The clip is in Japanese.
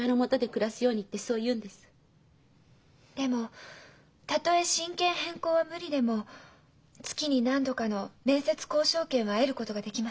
でもたとえ親権変更は無理でも月に何度かの面接交渉権は得ることができます。